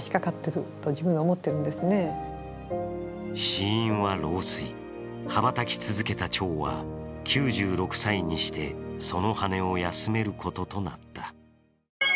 死因は老衰、羽ばたき続けたちょうは９６歳にして、その羽を休めることとなった。